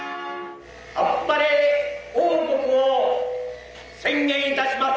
アッパレ王国を宣言いたします。